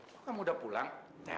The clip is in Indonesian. kok kamu udah pulang